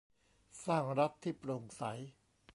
สร้างรัฐที่โปร่งใส